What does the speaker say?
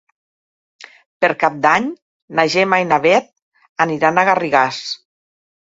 Per Cap d'Any na Gemma i na Bet aniran a Garrigàs.